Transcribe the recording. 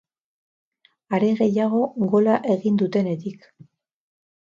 Are gehiago gola egin dutenetik.